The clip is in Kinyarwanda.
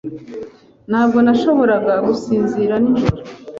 Ntabwo nashoboraga gusinzira nijoro.